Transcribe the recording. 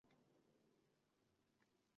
Ayting, inson —